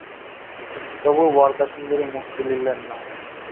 তবু বরদাসুন্দরী মুখ তুলিলেন না।